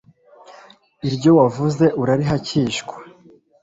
iryo wavuze urarihacyishwa